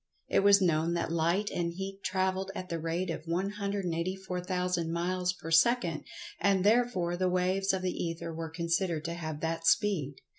It was known that Light and Heat travelled at the rate of 184,000 miles per second, and therefore the "waves" of the Ether were considered to have that speed.